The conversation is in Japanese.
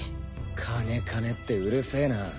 金金ってうるせぇな。